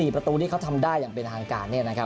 ประตูที่เขาทำได้อย่างเป็นทางการ